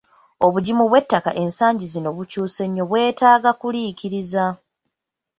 Obugimu bw'ettaka ensangi zino bukyuse nnyo bwetaaga kuliikiriza.